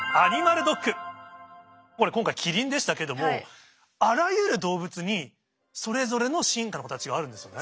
これ今回キリンでしたけどもあらゆる動物にそれぞれの進化の形があるんですよね。